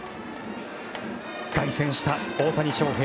凱旋した大谷翔平